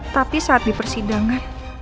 tapi saat di persidangan